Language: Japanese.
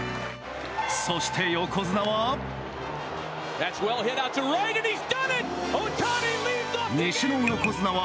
そして、横綱は。